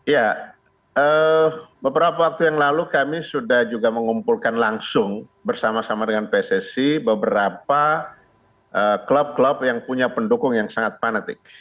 ya beberapa waktu yang lalu kami sudah juga mengumpulkan langsung bersama sama dengan pssi beberapa klub klub yang punya pendukung yang sangat fanatik